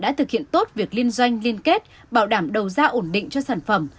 đã thực hiện tốt việc liên doanh liên kết bảo đảm đầu ra ổn định cho sản phẩm